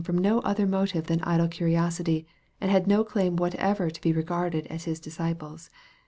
from no other motive than idle curiousity, and had no claim whatever to be regarded as His disciples.